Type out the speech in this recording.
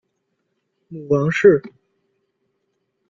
母王氏。